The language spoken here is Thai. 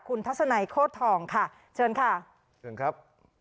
คุณทัศนัยโคตรทองค่ะเชิญค่ะเชิญครับ